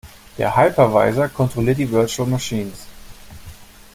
Der Hypervisor kontrolliert die Virtual Machines.